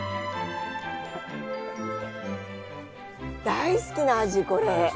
大好きな味これ。